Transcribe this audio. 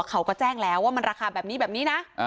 เขาก็แจ้งแล้วว่ามันราคาแบบนี้แบบนี้นะ